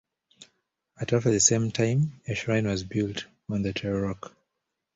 At roughly the same time, a shrine was built on the Tyr Rock.